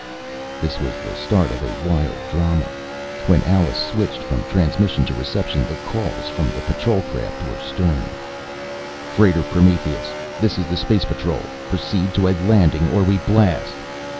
This was the start of wild drama. When Alice switched from transmission to reception, the calls from the patrol craft were stern: "Freighter Prometheus, this is the Space Patrol. Proceed to a landing or we blast."